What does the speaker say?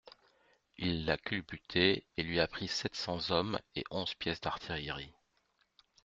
Il l'a culbuté et lui a pris sept cents hommes et onze pièces d'artillerie.